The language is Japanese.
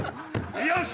よし！